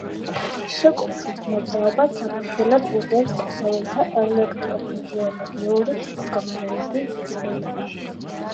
შეკუმშვით მოძრაობას საფუძვლად უდევს ქსოვილთა ელექტროფიზიოლოგიური მდგომარეობის ცვლილება.